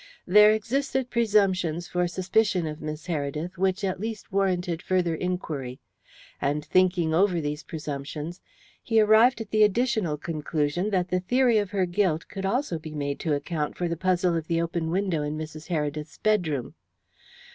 There existed presumptions for suspicion of Miss Heredith which at least warranted further inquiry. And, thinking over these presumptions, he arrived at the additional conclusion that the theory of her guilt could also be made to account for the puzzle of the open window in Mrs. Heredith's bedroom.